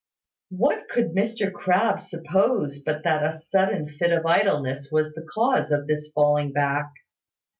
What could Mr Crabbe suppose but that a sudden fit of idleness was the cause of this falling back?